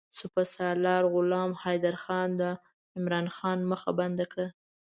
سپه سالار غلام حیدرخان د عمرا خان مخه بنده کړه.